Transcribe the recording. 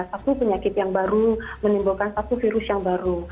satu penyakit yang baru menimbulkan satu virus yang baru